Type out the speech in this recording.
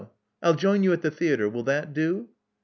I'll join you at the theatre. Will that do?"